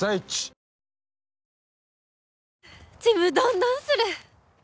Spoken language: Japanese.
ちむどんどんする。